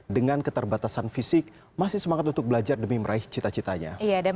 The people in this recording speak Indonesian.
dengan keterbatasan fisik masih semangat untuk belajar demi meraih cita citanya